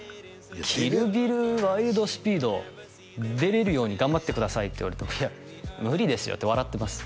「キル・ビル」「ワイルド・スピード」出れるように頑張ってくださいって言われてもいや無理ですよって笑ってます